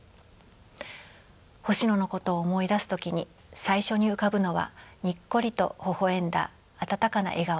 星野のことを思い出す時に最初に浮かぶのはにっこりとほほ笑んだ温かな笑顔です。